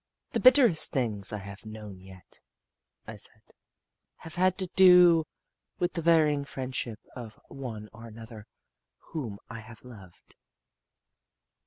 "The bitterest things I have known yet," I said, "have had to do with the varying friendship of one or another whom I have loved."